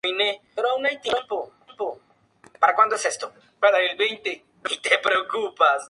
La película fue parcialmente financiada por un proyecto de crowdfunding.